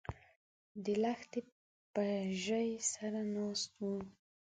د لښتي په ژۍ سره ناست و